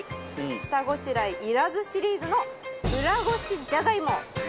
下ごしらえいらずシリーズのうらごしじゃがいも！